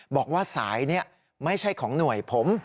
บอกว่าสายนี้ไม่ใช่ของหน่วยผม